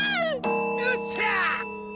よっしゃ！